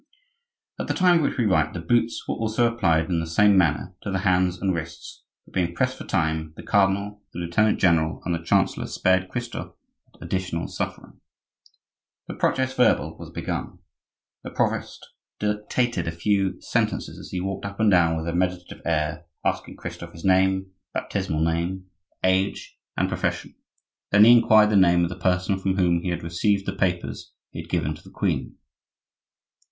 At the time of which we write the "boots" were also applied in the same manner to the hands and wrists; but, being pressed for time, the cardinal, the lieutenant general, and the chancellor spared Christophe that additional suffering. The proces verbal was begun; the provost dictated a few sentences as he walked up and down with a meditative air, asking Christophe his name, baptismal name, age, and profession; then he inquired the name of the person from whom he had received the papers he had given to the queen.